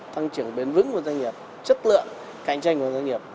thăng trưởng bền vững của doanh nghiệp